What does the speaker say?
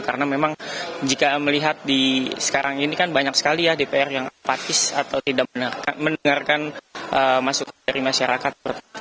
karena memang jika melihat di sekarang ini kan banyak sekali ya dpr yang apatis atau tidak mendengarkan masyarakat